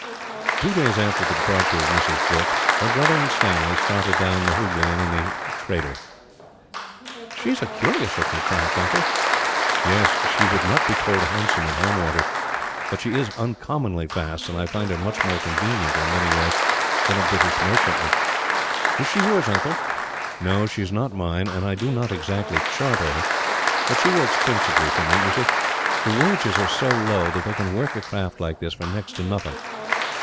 Two days after the departure of Mrs. Brooke, her brother and Stanley started down the Hoogly in a native trader. "She is a curious looking craft, uncle." "Yes; she would not be called handsome in home waters, but she is uncommonly fast; and I find her much more convenient, in many ways, than a British merchantman." "Is she yours, uncle?" "No, she is not mine, and I do not exactly charter her; but she works principally for me. You see, the wages are so low that they can work a craft like this for next to nothing.